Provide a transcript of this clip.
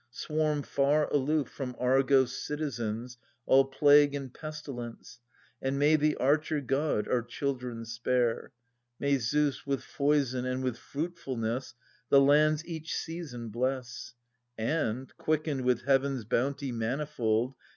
Swarm far aloof from Argos' citizens All plague and pestilence. And may the Archer God 'our children spare ! May Zeus with foison and with fruitfulness The land's each season bless, And, quickened with Heaven's bounty manifold.